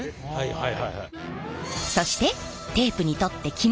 はい！